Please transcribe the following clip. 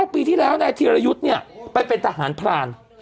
ปีที่แล้วนายธีรยุทธ์เนี่ยไปเป็นทหารพราน